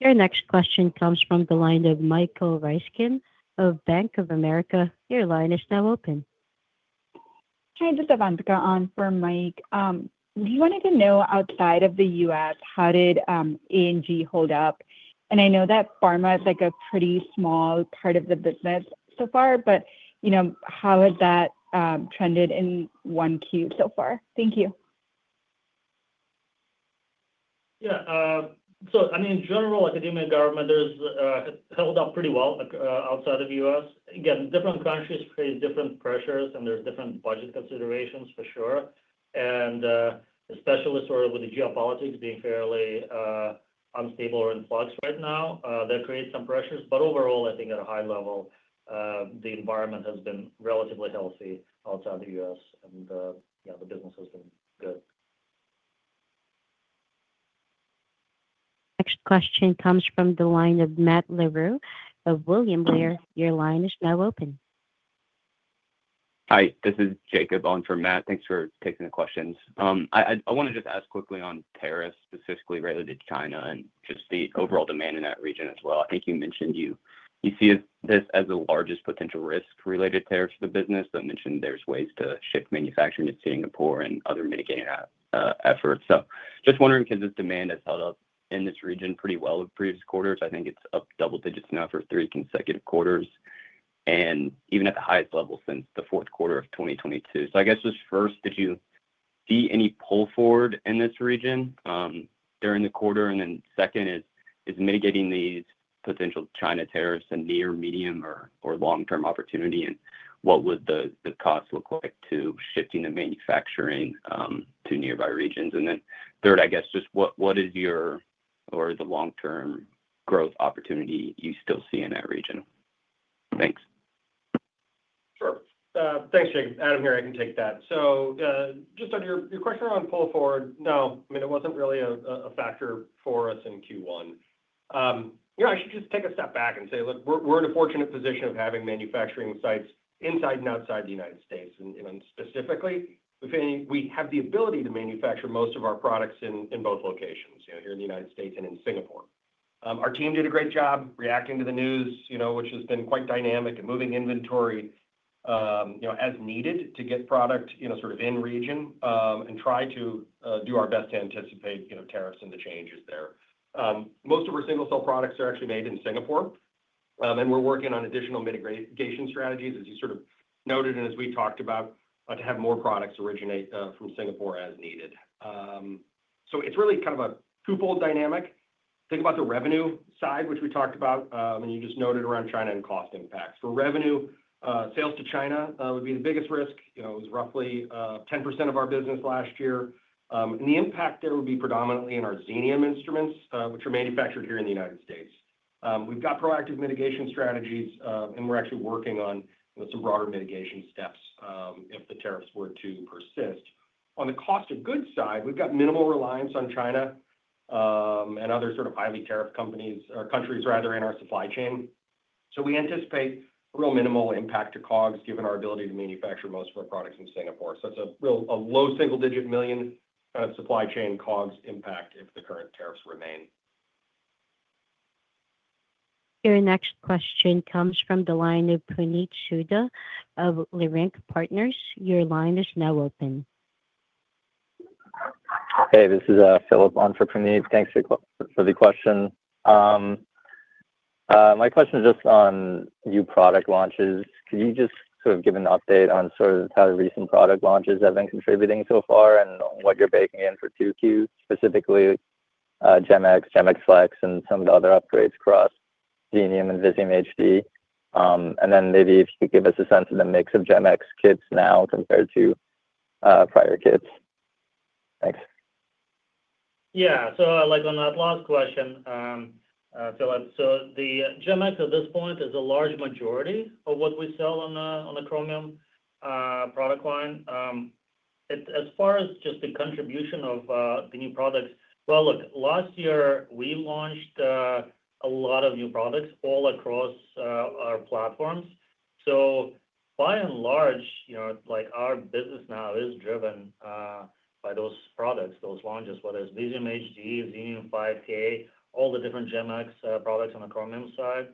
Your next question comes from the line of Michael Reiskin of Bank of America. Your line is now open. Hi, this is Ivanka on for Mike. We wanted to know outside of the U.S., how did A&G hold up? And I know that pharma is a pretty small part of the business so far, but how has that trended in one Q so far? Thank you. Yeah. I mean, in general, academia and government, they've held up pretty well outside of the U.S. Again, different countries face different pressures, and there's different budget considerations for sure. Especially sort of with the geopolitics being fairly unstable or in flux right now, that creates some pressures. Overall, I think at a high level, the environment has been relatively healthy outside the U.S. Yeah, the business has been good. Next question comes from the line of Matt Leroux of Williamware. Your line is now open. Hi, this is Jacob on for Matt. Thanks for taking the questions. I wanted to just ask quickly on tariffs specifically related to China and just the overall demand in that region as well. I think you mentioned you see this as the largest potential risk related to tariffs to the business. I mentioned there's ways to shift manufacturing to Singapore and other mitigating efforts. Just wondering because this demand has held up in this region pretty well over the previous quarters. I think it's up double digits now for three consecutive quarters and even at the highest level since the fourth quarter of 2022. I guess just first, did you see any pull forward in this region during the quarter? Second, is mitigating these potential China tariffs a near, medium, or long-term opportunity? What would the cost look like to shifting the manufacturing to nearby regions? Third, I guess, just what is your or the long-term growth opportunity you still see in that region? Thanks. Sure. Thanks, Jacob. Adam here, I can take that. Just on your question around pull forward, no, I mean, it was not really a factor for us in Q1. Yeah, I should just take a step back and say, look, we are in a fortunate position of having manufacturing sites inside and outside the United States. Specifically, we have the ability to manufacture most of our products in both locations, here in the United States and in Singapore. Our team did a great job reacting to the news, which has been quite dynamic, and moving inventory as needed to get product sort of in region and try to do our best to anticipate tariffs and the changes there. Most of our single-cell products are actually made in Singapore. We're working on additional mitigation strategies, as you sort of noted and as we talked about, to have more products originate from Singapore as needed. It is really kind of a twofold dynamic. Think about the revenue side, which we talked about, and you just noted around China and cost impacts. For revenue, sales to China would be the biggest risk. It was roughly 10% of our business last year. The impact there would be predominantly in our Xenium instruments, which are manufactured here in the United States. We've got proactive mitigation strategies, and we're actually working on some broader mitigation steps if the tariffs were to persist. On the cost of goods side, we've got minimal reliance on China and other sort of highly tariffed companies or countries, rather, in our supply chain. We anticipate a real minimal impact to COGS given our ability to manufacture most of our products in Singapore. It is a low single-digit million kind of supply chain COGS impact if the current tariffs remain. Your next question comes from the line of Praneet Shuda of Lyrinc Partners. Your line is now open. Hey, this is Philip on for Praneet. Thanks for the question. My question is just on new product launches. Could you just sort of give an update on sort of how the recent product launches have been contributing so far and what you're baking in for QQ, specifically Gem-X, Gem-X Flex, and some of the other upgrades across Xenium and Visium HD? And then maybe if you could give us a sense of the mix of Gem-X kits now compared to prior kits. Thanks. Yeah. On that last question, Philip, the Gem-X at this point is a large majority of what we sell on the Chromium product line. As far as just the contribution of the new products, look, last year, we launched a lot of new products all across our platforms. By and large, our business now is driven by those products, those launches, whether it's Visium HD, Xenium 5K, all the different Gem-X products on the Chromium side.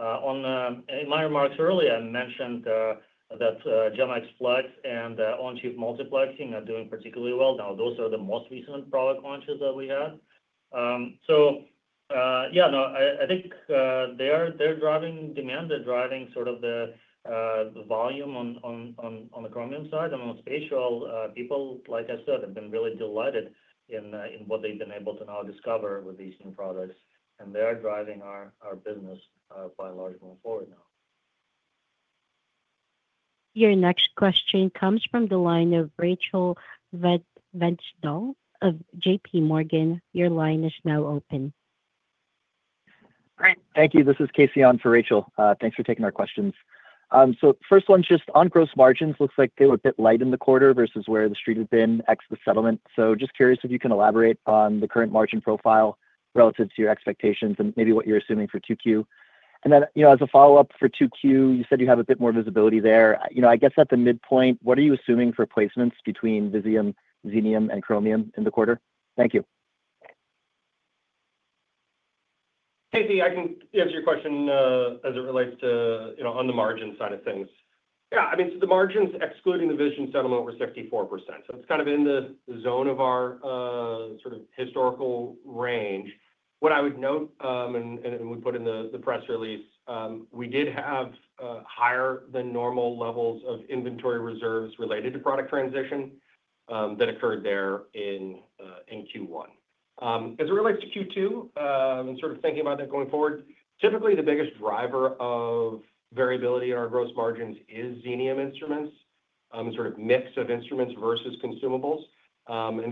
In my remarks earlier, I mentioned that Gem-X Flex and on-chip multiplexing are doing particularly well. Those are the most recent product launches that we had. Yeah, I think they're driving demand. They're driving sort of the volume on the Chromium side. On spatial, people, like I said, have been really delighted in what they've been able to now discover with these new products. They're driving our business by a large move forward now. Your next question comes from the line of Rachel Vatnsdal of J.P. Morgan. Your line is now open. All right. Thank you. This is Casey on for Rachel. Thanks for taking our questions. First one, just on gross margins, looks like they were a bit light in the quarter versus where the street had been ex the settlement. Just curious if you can elaborate on the current margin profile relative to your expectations and maybe what you're assuming for Q2. As a follow-up for Q2, you said you have a bit more visibility there. I guess at the midpoint, what are you assuming for placements between Visium, Xenium, and Chromium in the quarter? Thank you. Casey, I can answer your question as it relates to on the margin side of things. Yeah. I mean, the margins, excluding the Vizgen settlement, were 64%. It is kind of in the zone of our sort of historical range. What I would note, and we put in the press release, we did have higher than normal levels of inventory reserves related to product transition that occurred there in Q1. As it relates to Q2 and sort of thinking about that going forward, typically the biggest driver of variability in our gross margins is Xenium instruments and sort of mix of instruments versus consumables.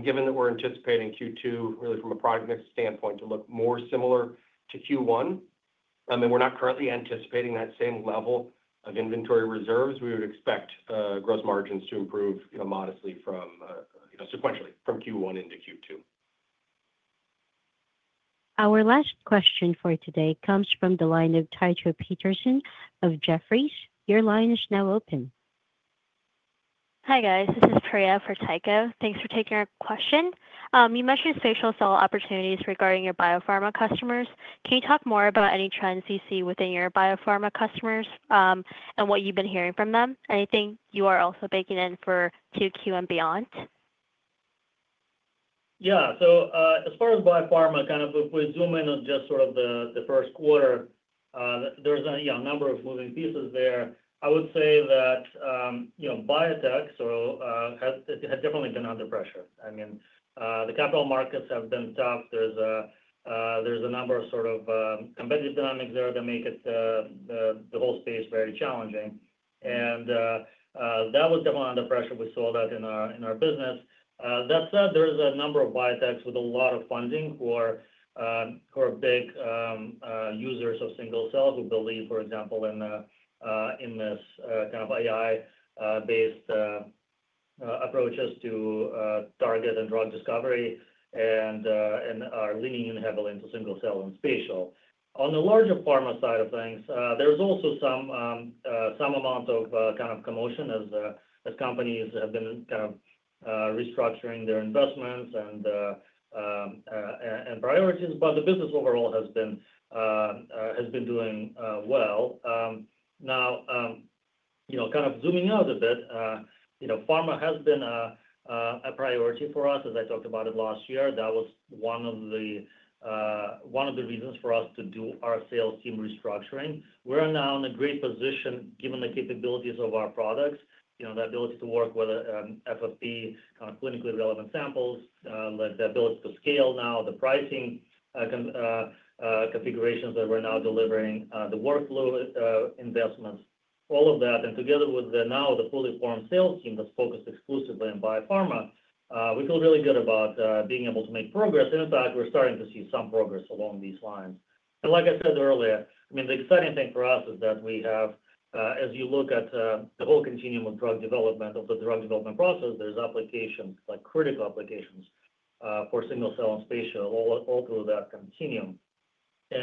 Given that we are anticipating Q2, really from a product mix standpoint, to look more similar to Q1, I mean, we are not currently anticipating that same level of inventory reserves. We would expect gross margins to improve modestly sequentially from Q1 into Q2. Our last question for today comes from the line of Tycho Peterson of Jefferies. Your line is now open. Hi guys. This is Priya for Tycho. Thanks for taking our question. You mentioned spatial cell opportunities regarding your biopharma customers. Can you talk more about any trends you see within your biopharma customers and what you've been hearing from them? Anything you are also baking in for Q2 and beyond? Yeah. As far as biopharma, kind of if we zoom in on just sort of the first quarter, there's a number of moving pieces there. I would say that biotech has definitely been under pressure. I mean, the capital markets have been tough. There's a number of sort of competitive dynamics there that make the whole space very challenging. That was definitely under pressure. We saw that in our business. That said, there is a number of biotechs with a lot of funding who are big users of single-cell who believe, for example, in this kind of AI-based approaches to target and drug discovery and are leaning in heavily into single-cell and spatial. On the larger pharma side of things, there is also some amount of kind of commotion as companies have been kind of restructuring their investments and priorities. The business overall has been doing well. Now, kind of zooming out a bit, pharma has been a priority for us. As I talked about it last year, that was one of the reasons for us to do our sales team restructuring. We're now in a great position given the capabilities of our products, the ability to work with FFPE kind of clinically relevant samples, the ability to scale now, the pricing configurations that we're now delivering, the workflow investments, all of that. Together with now the fully formed sales team that's focused exclusively on biopharma, we feel really good about being able to make progress. In fact, we're starting to see some progress along these lines. Like I said earlier, I mean, the exciting thing for us is that we have, as you look at the whole continuum of drug development, of the drug development process, there's applications like critical applications for single-cell and spatial all through that continuum. As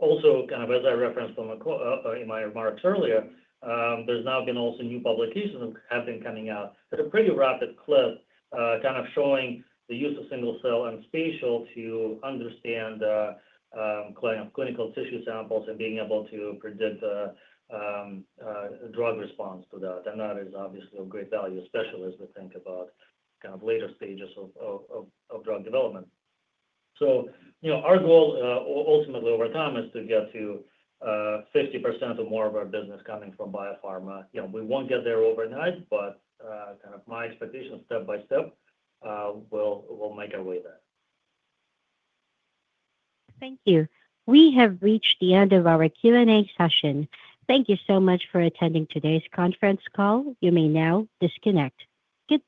I referenced in my remarks earlier, there have now also been new publications coming out at a pretty rapid clip, showing the use of single-cell and spatial to understand clinical tissue samples and being able to predict drug response to that. That is obviously of great value, especially as we think about later stages of drug development. Our goal ultimately over time is to get to 50% or more of our business coming from biopharma. We will not get there overnight, but my expectation is step by step we will make our way there. Thank you. We have reached the end of our Q&A session. Thank you so much for attending today's conference call. You may now disconnect. Good.